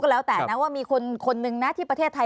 แล้วแต่นะว่ามีคนนึงนะที่ประเทศไทย